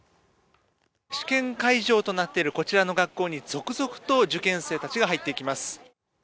試験会場となっているこちらの学校に続々と受験生たちが入っていきます。